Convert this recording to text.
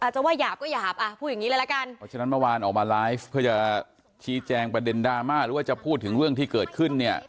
จะว่าหยาบก็หยาบอ่ะพูดอย่างนี้เลยละกันเพราะฉะนั้นเมื่อวานออกมาไลฟ์เพื่อจะชี้แจงประเด็นดราม่าหรือว่าจะพูดถึงเรื่องที่เกิดขึ้นเนี่ย